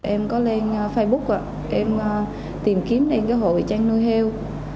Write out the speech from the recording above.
em có lên facebook em tìm kiếm đến cái hội tranh nuôi heo